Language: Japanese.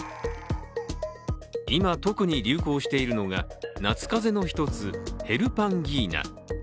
今、特に流行しているのが夏風邪の１つヘルパンギーナ。